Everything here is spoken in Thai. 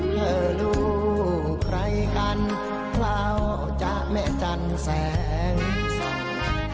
เผื่อดูใครกันกล่าวจะมห์ชันแสงสาร